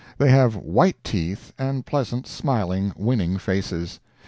They have white teeth, and pleasant, smiling, winning faces.